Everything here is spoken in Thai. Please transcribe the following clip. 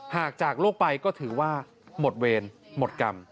หากจากโลกไปก็ถือว่าหมดเวรหมดกรรม